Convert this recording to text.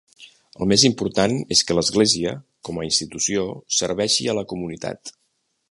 El més important és que l'Església, com a institució, serveixi a la comunitat.